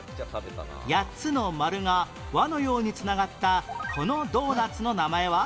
８つの丸が輪のように繋がったこのドーナツの名前は？